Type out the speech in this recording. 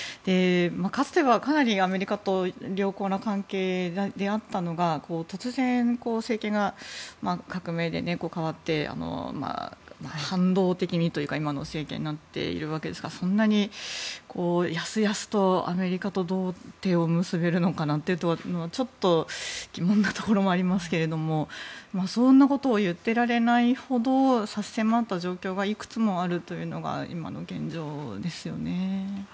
かつては、かなりアメリカと良好な関係であったのが突然、政権が革命で代わって反動的にというか今の政権になっているわけですがそんなにやすやすとアメリカとどう手を結べるのかなというのはちょっと疑問だと思いますがそんなことを言っていられないほど差し迫った状況がいくつもあるというのが今の現状ですよね。